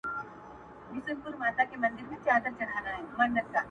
نړوم غرونه د تمي، له اوږو د ملایکو.